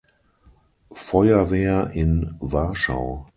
Feuerwehr in Warschau.